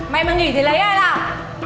mày mà nghỉ thì lấy ai làm